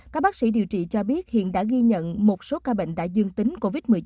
các bác sĩ điều trị cho biết hiện đã ghi nhận một số ca bệnh đã dương tính covid một mươi chín